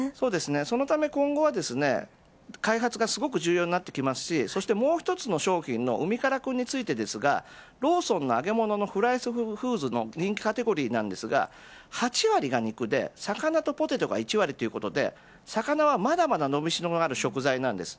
そのため今後は開発がすごく重要になりますしもう一つの商品の海からクンについてですがローソンの揚げ物のフライドフーズの人気カテゴリーですが８割が肉で魚とポテトが１割ということで魚はまだまだ伸びしろがある食材です。